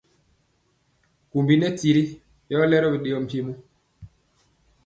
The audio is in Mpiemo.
Kumbi nɛ tiri yɔ lero bidɛɛɔ mpiemo.